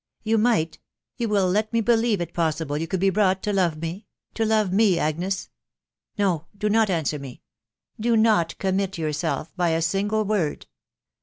..."" You might !... .You will let me believe it possible you could be brought to love me ?.... To love me, Agnes ?.... No ! do not answer me .... do not commit yourself by a single word